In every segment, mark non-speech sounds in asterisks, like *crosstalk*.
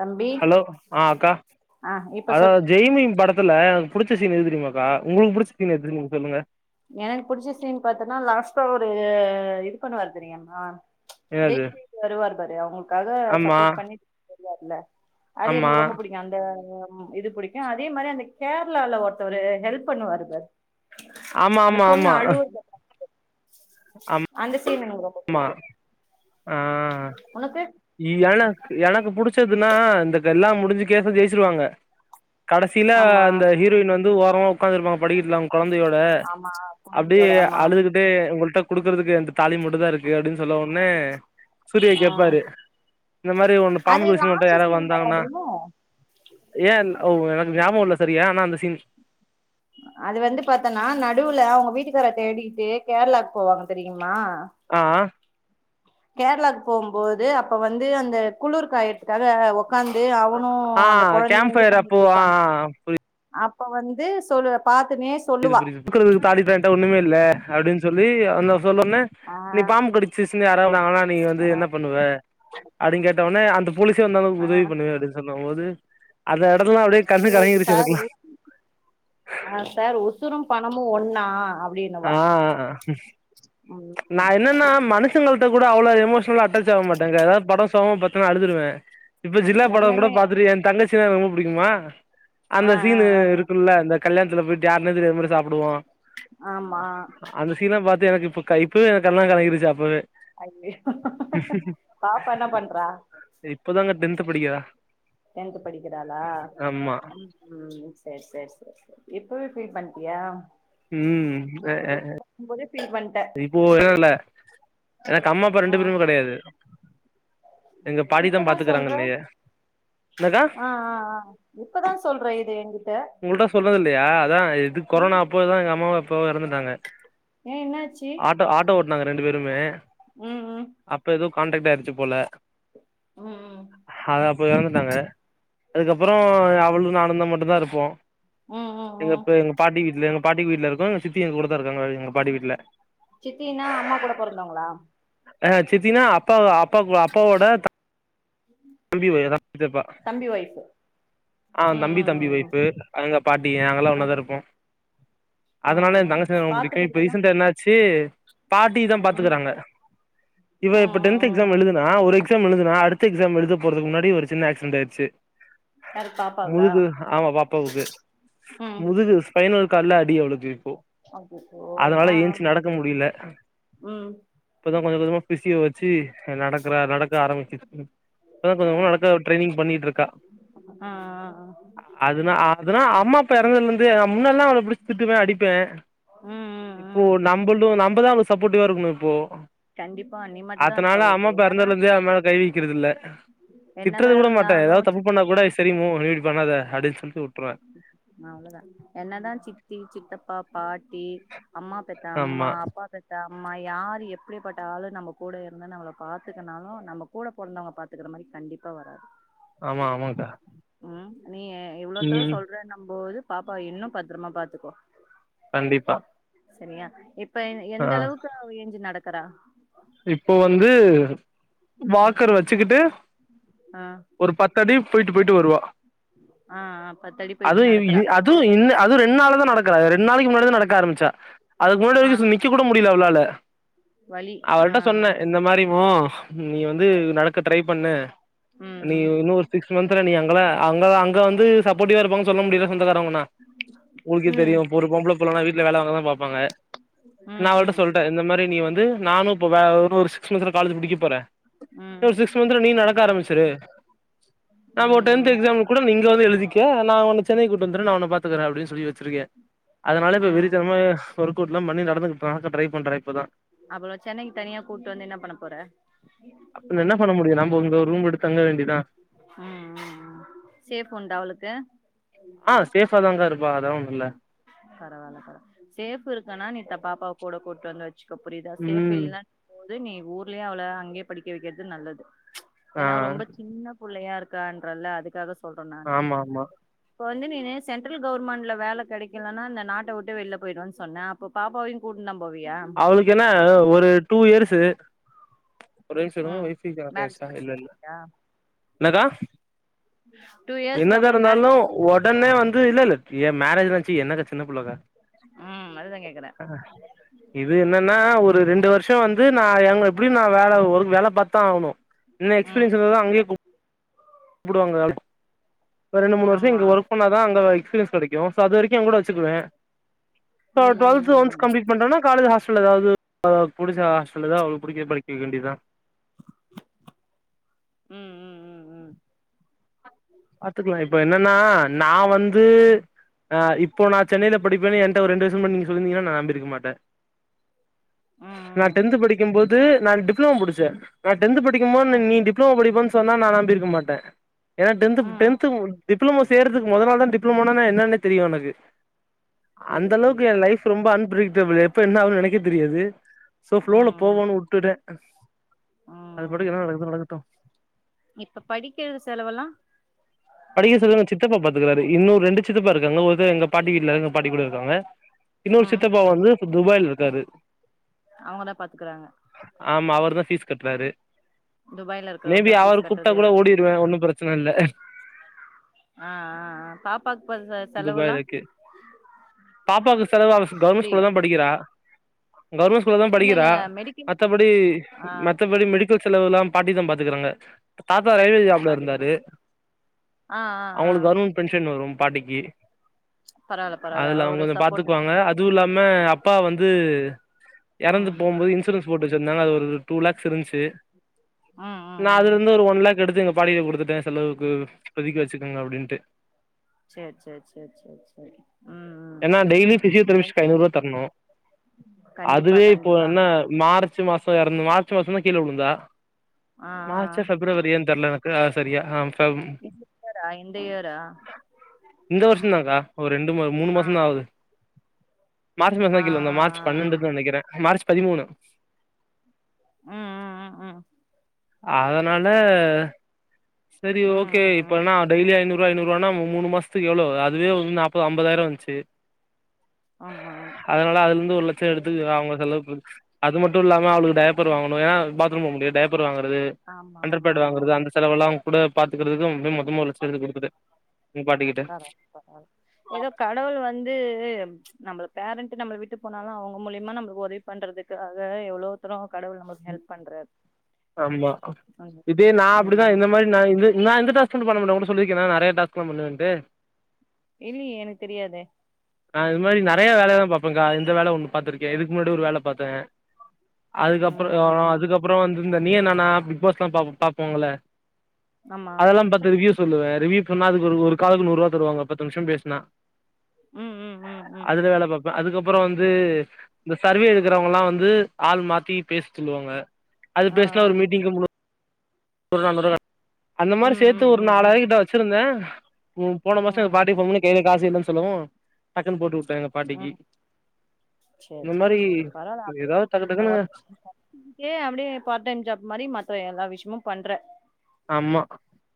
தம்பி ஹலோ ஆ அக்கா ஆ இப்ப அதா சொல்லுங்க ஜெய்பீம் படத்துல புடிச்ச சீன் எது தெரியுமாக்கா உங்களுக்கு புடிச்ச சீன் எதுனு சொல்லுங்க எனக்கு புடிச்ச சீன் பாத்தன்னா லாஸ்டா ஒரு இது பண்னுவாரு தெரியுமா என்னது ஜெய்ச்சுட்டு வருவாரு பாரு அவங்களுக்காக ஆமா சப்போட் பண்ணி *unintelligible* அது ஆமா எனக்கு ரொம்ப புடிக்கு அந்த இது புடிக்கு அதே மாரி அந்த கேரளால ஒருத்தவரு ஹெல்ப் பண்ணுவாரு பாரு ஆமா அந்த ஆமா பொண்ணு ஆமா அழுவ அந்த சீனு எனக்கு ரொம் மா ஆ உனக்கு *unintelligible* எனக்கு புடிச்சதுன்னா இந்த கெல்லா முடிஞ்சு கேச ஜெயிச்சிருவாங்க கடைசில ஆமா அந்த ஹீரோயின் வந் து ஓரமா ஒக்காந்துருப்பாங்க படிக்கட்ல அவங்க கொழந்தையோட ஆமா கொழந்தையோட அப்டியே ஆமா அழுதுகிட்டே உங்கள்ட்ட குடுக்குறதுக்கு என்ட தாலி மட்டு தா இருக்கு *unintelligible* சொல்ல ஒன்னே சூரியா ஆ கேப்பாரு இந்த மாரி ஒன்னு அது பாம்பு வேஷ போட்டு லாஸ்ட் யாரா சீன் வந்தாங்கன்னா வராதுல்ல ஏன் அங்க எனக்கு ஞாபக இல்ல சார் சரியா ஆனா அந்த சீன் அது வந்து பாத்தன்னா நடுவுல அவங்க வீட்டுக்கார தேடிகிட்டு கேரளாவுக்கு போவாங்க தெரியுங் மா ஆ ஆ கேரளாக்கு போம்போது அப்ப வந்து அந்த குளிர் காயறத்துக்காக உக்காந்து அவனு ஆ அந்த கொழந்தையு கேம்ப் இது ஃபயர் அப்போ ஆ பண்ணிட்ருப்பாங்க ஆ அப்ப வந்து சொல்லு பாத் புரிது புரிது *unintelligible* ஒன்னுமே இல்ல அப்டின் சொல்லி லி அந் சொன்னொன்னே ஆ நீ பாம்பு கடிச்சு யாறோ *unintelligible* நீ வந்து ஆ என்ன பண்ணுவ அடினு கேட் *unintelligible* அந்த போலிசே வந்தா நமக்கு ஆ உதவி பண்ணுமே அதுக்கு சொன் போம் போது அத *unintelligible* ஆ சார் உசுரு பணமு ஒண்ணா ஆ ஆ நா ம் என்னனா மனுஷங்கள்ட கூட அவ்ளோ எமோஷனா அட்டாச் ஆவ மாட்டாங்க எதாது படொ சோகமா பாத்தனா அழுதுடுவே இப்ப ஜில்லா படோ கூட உண்மையுமே பாத்துட்டு ஏ தங்கச் ச்சு ரொம்ப புடிக்குமா அந்த ஆ ஆ சீனு ஆ இருக்குல்ல அந்த கல்யாணத்துல போய்ட்டு எந்ததுலே எப்புடி சாப்புடுவோ ஆமா அந்த சீன்லா பாத்து எனக்கு இப்ப கைப்பு எனக்கு கண்லா கிலங்கிருச்சு அப்பவே ஐயோ பாப்பா என்ன பண்றா த்து படிக்கிறா டென்த் படிக்கிறாளா ஆமா ம் ம் சேர் சேர் சேர் இப்பவே ஃபீல் பண்ட்டியா உம் அஹஹ் இப்பவே ஃபீல் பண்ட்ட இப்போ என்ன இல்ல எனக்கு அம்மா அப்ப ரெண்டு ம் பேருமே கடையாது இப்பதா சொல்ற என்னக்கா ஆஹ் ஆஹ் அஹ் இப்பதா சொல்ற இது எங்கிட்ட உங்கள்ட்ட சொல்லறது இல்லையா அதா எது கொரோனா அப்போதா எங்கம்மாவு அப் போவோ எறந்துட்டாங்க ஏ என்னாச்சி நாங் ரெண்டு பேருமே ம் ம் ஹான்ட்ரக்ட் ஆயிட்ச்சு போல ம் அது ம் எறந்துட்டாங்க அதுக்கப்புறோ அவுளு நானுந்தா மட்டு தா இருப் போ ம் ம் ம் ம் எங்கப்பு எங்க பாட்டி வீட்லேனு பாட்டி வீட்ல இருக்கோ எங் சித்தி எங் கூட தாருக்காங்க எங்க பாட்டி வீட்ல சித்தியின்னா அம்மா கூட பொறந்தொங்ளா ஆ சித்தின்னா அப்பா அப்பா அப்பாவோட தங் தம்பி *unintelligible* த்தப்பா தம்பி ஒய்ஃபு ஆ ம் தம்பி தம்பி ம் ம் ஒய்ஃபு அங்க பாட்டி நாங்கலா ம் ஒண்ணாதாருப்போ ம் அதுனால என் ம் தங்கச்சினா ரொம்ப புடிக்கு இப்ப பாத்துக்கறதுல்லா ரீசண்டா என்னாச்சு பாட்டிதா ம் பாத்துக்குறாங்க இவ இப்ப ம் ம் டென்த் ம் எக்ஸாம் ம் எழுதுனா ஒரு எக்ஸ் ச்ஸாம் எழுதுனா அடுத்த எக்ஸாம் எழுத போறதுக் முன்னாடி ஒர் சின்ன ஆக்ஸிடன்ட் ஆயிருச்சு யாரு பாப்பாவுக்கா முதுகு ஆமா பாப்பாவுக்கு ம் முதுகு ஸ்பைனல் கால்ல அடி அவுளுக்கு ஓ அச்சச்சோ அதுனால ஆ ஆ ஏன்சு நடக்க முடியில ம் இப்பதா கொஞ்சு கொஞ்சுமா பிசியோட் ச்சு எ நடக் க்குறா நடக்க ஆரம்பிக்கு இப்பதா கொஞ்ச ஆ கொஞ்சமா அதுக்கா ட்ரெயினிங் பண்ணிட்டுயிருக்கா ஆ ஆ அதுனா ஹா அதுனா அம்மாப் ப்ப பெறந்துலிந்து அப் முன்னெல்லா அவள புடிச்சு திட்டுவே அடிப்பேன் ம் ம் இப்போ ம் நம்புளூ நம் இப்பதா அவுளுக் சப்போட்டிவா இருக்கனு இப்போ கண்டிப்பா நீ மட்டுந்தா இருக்க அதனால அவளுக்கு அம்மா அப்பா என்னதா இறந்துலுந்தே அம மேல கைவிக்கிறதுயில்ல திட்டறது என்னதா கூட மாட்டே ஏதாவது இருந்தாலு தப்பு பண்ணா கூட செரின் *unintelligible* பண்ணாத அப்டின் சொல்லிட் இன்னு அவ்ளோவுதா என்னதா சித்தி சித்தப்பா பாட் டி அம்மா பெத்த அம்மா ஆமா அப்பா பெத்த அப் நம்ம யாரு எப்டிபட்ட ‌ஆளு நம்ம கூட இருந்து நம்மள பாத்துக்கலனாலு நம்ம கூட பொறந்தவங்க பாத்துக்குற மாரி கண்டிப்பா வராது ஆமா ஆமாங்கா ம் நீ ஏ எப் ட்றே சொல்றேன் நம்ப ஒருப் பாப்பா இன்னும் பத்துரமா பாத்துக்கோ கண்டிப்பா செரியா இப் இப்ப எந் எந்தளவுக்கு அவ ஏஞ்சு நடக் க்குறா இப்ப வந்து வாக்கர் வெச்சுக்குட்டு ஆ ஒரு பத்து அடி போயிட்டு போயிட்டு வருவா ஆ ஆ பத்தடி அ போயிட்டு அது இது நடக்கறா அது ந் அது ரெண்டு நாளா தா *unintelligible* நடக்குறா ரெண்டு நாளைக்கு முன்னாடி தா நடக்க ஆரம்பிச்சா அதுக்கு முன்னடி ஆ வரைக்கும் நிக்க கூட முடியல அவளால வலி ஆ ஆ அவள்ட்ட சொன்ன இந்த மாறி மோ நீ வந்து நடக்க ட்ரை பண்ணு ம் நீ ம் இன்னும் ஒரு சிக்ஸ் மந்த்ல நீ அங்கத அங்கத அங்க வந்து சப்போட்டிவா இருப்பாங்கன் சொல்ல முடியால சொந்தகாரங் உங்களுக்கே தெரியு ம் ஒரு பொம்பள புள்ளன வீட்ல வே வாங்கதா பாப்பாங்க நா ம் அவள்ட்ட ம் சொல்டே இந்த மாரி நீ வந்து நானு இப்ப வே இன்னோ ஒரு சிக்ஸ் மன்த்ஸ்ல காலேஜ் முடிக்க போறே ம் சிக்ஸ் மன்த்ஸ்ல நீ நடக்க ஆரம்பிச்சிரு ம் நாம ஒரு டென்த் ம் எக்ஸாம்‌ கூட நீ இங்க வந்து எழுதி யா வர் நா உன்ன சென்னைக்கு கூட்டி வந்துரே நா உன பாத்துக்கறே அப்டின் சொல்லி வச்சிருக்க அதனால இப்ப ம் வெரித்தனமா ஒர்க் அவுட்லா பண்ணி நடந்துக்க ட்ரை பண்ற இப்பதா அவ்ளோ சென்னைக்கு தனியா கூட்டு வந்து என்ன பண்ண போற அப்ப என்ன பண்ண முடியு நம்ப இங்க ஒரு ரூம் எடுத்து தங்க வேண்டிதா ம் ம் ம் சேஃப் உண்டா அவளுக்கு ஆ சேஃபா தாங்க இருப்பா அதா பரவால்ல பரவால சேஃப் இருக்கன்னா நீ தா பாப்பாவ கூட கூட்டு தங்க வச் சுகோ புரியுதா சேஃப் ம் இல்லனா து நீ ஊர்லயே அவள அங்கேயே படிக்க வைக்கிறது நல்லது ஆ ஏனா ரொம்ப சின்ன புள்ளையா இருக் இருக்கான்றல்ல அதுக்காக சொல்ற நானு ஆமா ஆமா இப்ப வந்து நீனு சென்டரல் கவர்மெண்ட்ல வேல கெடைக்கலனா இந்த நாட்ட விட்டு வெளில போயிறுவே சொன்னே அப்ப பாப்பாவையு கூட்டு நா அவளுக்கு என்ன ஒரு டூ இயர்ஸு ஒரே நிமிக்ஷோ இருங்க ம் வைஃபை கனெட் மேரேஜ் ஆயிடுச்சா இல்ல இல்ல பண்ணியா என்னக்கா டூ இயர்ஸ்க்கு என்னதா அப்புறோ இருந்தாலு மேரேஜ் பண் ஒடனே வந் இல்ல இல்ல ஏ மேரேஜ் ம் அதுதா கேக்கற ஆ இது என்னன்னா ஒரு ரெண்டு வருஷ் ஷோ வந்து நா எங்க எப்படி நா வேற ஒரு வேல பாத்தா ஆவனு இல்ல ம் எக்ஸ்பீரியன்ஸ் இல்லனா அங்கயே குப் புடுவாங்க அவிங் ஒரு ரெண்டு மூணு வருஷோ ஆமா இங்க ஒர்க் பண்ணாதா அங்க எக்ஸ்பீரியன்ஸ் கெடைக்கும் சோ அது வரைக்கு என் கூட வச்சுக்குவே சோ ம் டுவெல்த் ம் ஒன்ஸ் கம்ப்ளீட் பண்ட்டனா காலஜ் ஹாஸ்டல் ஏதாவது அவளுக்கு புடிச்ச ஹாஸ்டலு தா அவளுக்கு படிக்கரத படிக்கவைக்க வேண்டியதா ம் ம் ம் பாத்துக்கலா இப்ப என்னன்னா நா வந்து ம் ம் ந்து இப்போ நா சென்னையில படிப்ப என் ஒரு ரெண்டு வருஷம் முன்னாடி நீங்க சொல்லிருந்திங்கன்னா நா நம்பியிருக்க மாட்ட ம் நா ம் டென்த் படிக்கு போது ந்து நா டிப்ளோமா முடிச்ச நா டென்த் படிக்கு போது ம் நீ டிப்ளோமா படிப்பனு சொன்னா நா நம்பிருக்க மாட்ட ஏன்னா டென்த் ப் ம் ம் டென்த் ப் டிப்ளமோ செய்றதுக்கு முத நாள் தா டிப்ளமோனா என்னன்னே தெரியு எனக்கு புரியுது அந்த அளவுக்கு புரியுது எ லைஃப் ரொம்ப அன்பிரி *unintelligible* எப்ப என்ன அகுனு எனக்கே தெரியாது சோ ஃப்ளோ ல ம் ம் போவோனு உட்டுட்ட அது பாட்டுக்கு ம் என்ன நடக்குதோ நடக்கட்டு இப்ப படிக்கிறது செலவுல்லா ருக்குறாரு இன்னு ரெண்டு சித்தப்பா இருக்காங்க ஒருத்தரு எங்க பாட்டி வீட்டுல எங்க பாட்டி கூட இருக்காங்க இன்னொரு ம் சித்தப்பா வந்து துபாய்ல இரு ருக்காரு அவங்கதா பாத்துக்கறாங்க ஆமா அவர் தான் ஃபீஸ் கட்றாரு துபாய்ல மே இருக்கிறவர் பி தா அவரு ஃபீஸ் கூப்ட்டா கட்டுறது கூட எல்லாமே ஓடிடுவ ஒன்னு பிரச்சன இல்ல அஹ் ஆ ஆ ஆ பாப்பாக்கு ப செ செலவெல்லா துபாயிலருக்கு பாப்பாவுக்கு செலவு அவ கவர்மெண்ட் புரியல ஸ்கூல்ல தா படிக்கிறா கவர்மெண்ட் ஸ்கூல்ல தா இல்ல இல்ல படிக்கிறா இல்ல மெடிக்கல் மத்தபடி ஆ மத்தபடி மெடிக் ஜுல் செலவு எல்லா பாட்டி தா பாத்துக்குறாங்க தாத்தா ரயில்வே ஜாப்ல இருந்தாரு ஆஹ் ஆஹ் ஆஹ் வரும் பாட்டிக்கு பரவால்ல அதுல அவங்க ஒரு கொஞ்சோ சப்போர்ட் பாத்துக்குவாங்க அது இல்லாம மு அப்பா வந்து இறந்து ம் போம்போது இன்சூரன்ஸ் போட்டு வெச் இருந்தாலும் அது ஒரு டூ லேக்ஸ் இருந்ச்சி ம் ம் நா அதுல ம் இருந்து ஒரு ஒன் லாக் எடுத்து எங்க பாட்டிட்ட கொடுத்துட்ட செலவு கு இப்பதிக்கு வெச்சிக்கங்க அப்படின்ட்டு சேரி சேரி சேரி சேரி சேரி ம் ம் ஏனா டெய்லி பிசியோதெரபிஸ்ட் என்ன ஐநூறு ரூவா தரணு கண்டிப்பா அதுவே இப்போ கண்டிப்பா என்ன மார்ச் மாசோ இறந்து மார்ச் மாசோ தா கீழ வுழுந்தா ஆ ஆ மார்சா பெப்ரவரியான் தெர்ல எனக் ஆ சரியா ஆம் இந்த இயரா இந்த இயரா இந்த வருஷந்தாக்கா ஒரு ரெண்டு மூணு ஆ மாசதா ஆவுது மார்ச் மாச தா ஆ கீழ விழுந்தோ. ஆ ஆ மார்ச் பண்ணண்டு தா நெனைக்கிற மார்ச் பதிமூணு ம் ம் ம் ம் அதனால செரி ம் ஓகே ம் ம் ம் இப்பனா டெய்லி ஐனூரு இப்ப ஐநூவா நா மூணு மாசத்துக்கு எவ்ளோவு அதுவே நாப்பது ஐம்பதாயிர வந்துச்சி ஆமா ஆமா அதனால அதுல இருந்து ஒரு லட்ச எடுத்து அவங்க செலவு அது மட்டும் இல்லாம அவளுக்கு டயப்பர் வாங்கணு ஏ பாத்ரூம் போக முடியாது டயப் அப்புற வாங்க து ஆமா அண்டர் ஆமா பேட் ஆமா வாங்குறது அந்த செலவுலா கூட பாத்துக்கறதுக்கு அவன்கிட்ட மொத்தமா ஒரு லட்சமா எடுத்து கொடுத்துட்டே ஆ ஏதோ கடவுள் வந்து நம்மள பேரண்ட் நம்மள விட்டு போனாலு அவுங்க மூலியமா நம்ம உதவி பண்றதுக்காக எவ்ளோ தூரோ கடவுள் நம்மளுக்கு ஹெல்ப் பண்றாரு ஆமா ம் இதே நா ம் அப்படிதா ம். இந்த மாரி நா இருந்து நா இருந்துட்டா போன் *unintelligible* உன்ட சொல்லிருக்கேனா நெறய டாஸ்க்லா பண்ணுவன்ட்டு இல்லையே எனக்கு தெரியாதே நா இது மாரி நெறைய வேலையெலா பாப் இப்ப க இந்த வேல ஒண்ணு பாத்திருக்கே இதுக்கு முன்னாடி ஒரு வேல பாத்த ம் அ ம் ம் அதுக்கப்புறோ வந்த் அந்த நீயா நானா பிக் பாஸ்லா பாப்ம் பாப்போ இல்ல ஆமா அதெல்லா பாத்து ரிவியூஸ் சொல்லுவே ரிவ்யூ சொன்னா அது ஒரு ஒரு காலுக்கு நூறுவா தருவாங்க பத்து நிமிஷோ பேசுனா ம் ம் ம் ம் அதுல வேல பாப் அதுக்கப்புறோ வந்து இந்த சர்வே எடுக்கிறவங்க எல்லா வந்து ஆள் மாத்தி பேச சொல்லுவாங்க அது ஆ ஆ பேசன ஒரு மீட்டிங்கு முன் நூறுவா ஐம்பதுருவா அந்த மாரி ம் ம் சேத்து ஒரு ம் ம் நாலாயிர கிட்ட வெச்சிருந்தே ம் போன மாசோ எங்க ம் பாட்டி போன் பண்ணி கே காசு இல்லன் சொல்லவு டக்குன்னு போட்டு வுட் உம் செரி அந்த செரி மாதிரி செரி பரவல அப்டிய ஏதாவது டக்கு டக்குன்னு ஒர்க் படுத்துக்கிட்டே பாட்டைம் ஜாப் மாரி மத்த எல்ல விஷ்யமு பண்ற ஆமா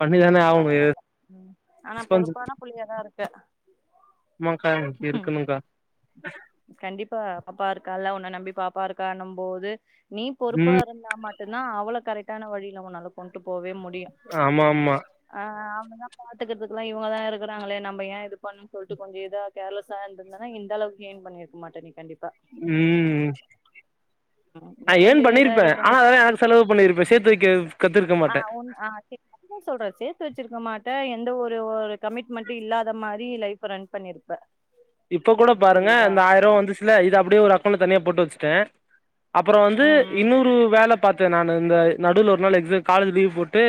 பண்ணிதானே ஆகணும் பரவால உம் ஆனா ரெஸ்பான்சிபிலிட்டி பொறுப்பான புள்ளியதா இருக் ஆமாக்கா கு இருக்கணும்க்கா கண்டிப்பா பாப்பா இருக்கால ஒண் நம்பி பாப்பா இருக்கான்னும் போது நீ பொறுப்பா ம் இருந்தா மட்டுன்தா அவல கரெக்ட் டான வழியில உன்னால கொண்ட்டு போவே மு ப்டியா ஆமா ஆமா ஆஹ் ஆ அதா பாத்துகிறது இவங்கதா இருக்குறாங்கலே நம்ப ஏ இதூ பன்னு சொல்ட்டு கொண்ச இதா கேர்லெஸ்ஸா இருந்துருந்தன்னா இந்த அளவுக்கு ஏன் பண்ணியிருக்க மாட்ட நீ கண்டிப் உம் ம் நா நீ கொஞ்ச ஏன் இதா பண்ணிருப்பே இது ஆனா பண்ணிட்டு அதலெல்லா எனக்கு செலவு பண்ணிருப்பே சேத்து வைக்க கத்திருக்க மாட்டே என்ன சொல்ற சேத்து வச்சிருக்க மாட்ட எந்த ஒரு ஒரு கமிட்மெண்ட் இல்லாத மாரி லைஃப் ரன் பண்ணிருப்பே இப்ப கூட பாருங்க அந்த ஆயிர ரூவா வந்துச்சுல்ல இது அப்டியே ஒரு அக்கவுண்ட்ல தனியா போட்டு வச்சு பே அப்புறோ வந்து ம் ம் இன்னொரு வேல பார்த்தே நான் இந்த நடுவுல ஒரு நாள் எக்ஸா காலேஜ் லீவு போட்டு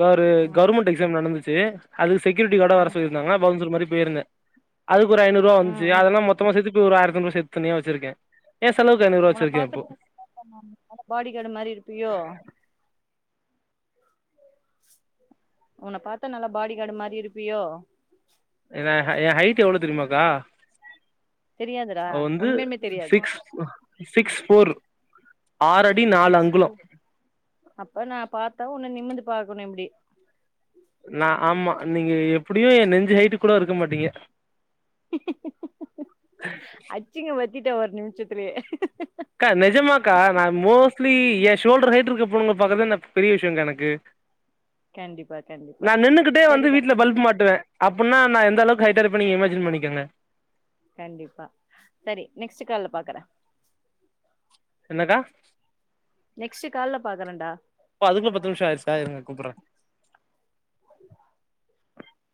வே ஒரு ம் கெவர்மெண்ட் எக்ஸாம் நடந்துச் சு அது செக்யூரிட்டி காடா ம் வரசொல்லியிருந்தாங்க பவுன்சர் மாரி பே இருந்த அதுக்கு ஒரு ஐநூறுபா ம் வந்ச்சி ம் அதெல்ல மொத்தமா சேத்து இப்ப ஒரு ஆயிரத்திஐநூறு சேத்து தனியா வச்சிருக்கே ஏ செலவுக்கு ஐநூறுவா உன வச்சிருக்கே இப்போ பாக்கிறதுக்கு *inaudible* பாடி கார்டு மாரி இருப்பியோ உன பார்த்தா நல்லா பாடி கார்டு மாரி இருப்பியோ எ ஹை எ ஹைட் எவ்வளொ தெரியுமாக்கா தெரியாதுடா வந்து உண்மையுமே தெரியாது சிக்ஸ் சிக்ஸ் ஃபோர் ஆறு அடி நாலு சிக்ஸ் அங்குலோ ஃபோ அப்ப நா பாத்தா ஒன்ன நிமிந்து பாக்கணு இப்டி நா ஆமா நீங்க எப் டியு எ நெஞ்சு ஹைட்டு கூடோ இருக்க மாட்டீங்க அச்சிங்க வச் சிட்ட ஒரு நிமிசத்துலே அக்கா நெஜமாக்கா நா மோஸ்ட்லி எ ஷோல்டர் ஹைட் இருக்க பொன்னுங்க பாக்கதா எனக்கு பெரிய விஷயங்க எனக்கு கண்டிப்பா கண்டிப்பா நா நின்னுகிட்டே வந்து சரிடா வீட்ல தம்பி பல்ப் மாட்டுவே அப்பன்னா நா எந்தளவுக்கு ஹைட்டா இருப்பன் நீங்க இமஜின் பண்ணிக்கோங்க கண்டிப்பா சரி நெக்ஸ்ட் கால்ல பாக்குறே என்ன கா நெக்ஸ்ட் கால்ல பாக்குறேன்டா ஓ அதுக்குள்ள பத்து நிமிஷோ ஆயிருசா இருங்க கூப்புட்ற